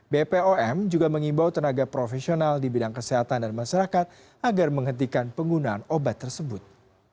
bpom juga mengimbau tenaga profesional di bidang kesehatan dan masyarakat agar menghentikan penggunaan obat tersebut